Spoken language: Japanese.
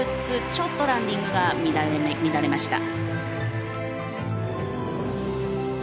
ちょっとランディングが乱れました。